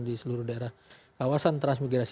di seluruh daerah kawasan transmigrasi